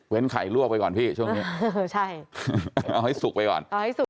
เว้นไข่รั่วไปก่อนพี่ช่วงนี้เอาให้สุกไปก่อน